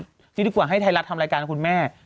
จริงที่กว่าให้ไทยรัฐทำรายการกับคุณแม่